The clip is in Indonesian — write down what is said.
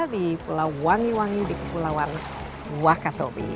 di pulau wangi wangi di kepulauan wakatobi